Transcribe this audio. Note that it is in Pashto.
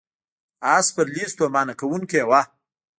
آس سپرلي ستومانه کوونکې وه.